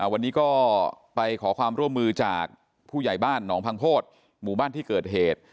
วันนี้ก็ไปขอความร่วมมือจากผู้ใหญ่บ้านหนองพังโพธิหมู่บ้านที่เกิดเหตุ